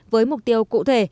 với mục tiêu cụ thể